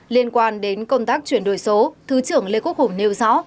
liên quan đến công tác chuyển đổi số thứ trưởng lê quốc hùng nêu rõ